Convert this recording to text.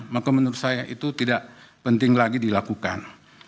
maka menurut saya itu tidak penting lagi dilakukan